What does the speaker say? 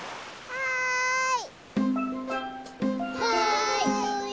はい！